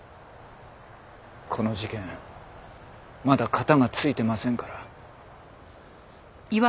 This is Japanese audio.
この事件まだ片が付いてませんから。